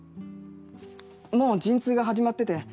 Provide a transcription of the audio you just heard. もう陣痛が始まってて。